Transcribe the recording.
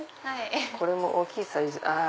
これも大きいサイズ。